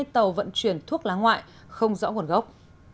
hai tàu vận chuyển thuốc lá ngoại không rõ nguồn gốc